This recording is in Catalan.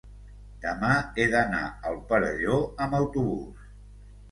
demà he d'anar al Perelló amb autobús.